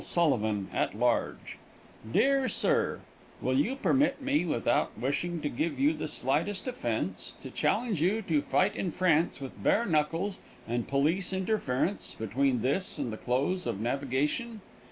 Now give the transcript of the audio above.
Sullivan, at large:_ DEAR SIR Will you permit me, without wishing to give you the slightest offense, to challenge you to fight in France with bare knuckles and police interference, between this and the close of navigation?